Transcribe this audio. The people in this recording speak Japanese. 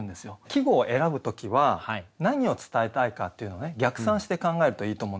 季語を選ぶ時は何を伝えたいかっていうのを逆算して考えるといいと思うんですよね。